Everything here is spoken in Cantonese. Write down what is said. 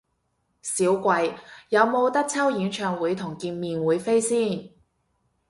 少貴，有無得抽演唱會同見面會飛先？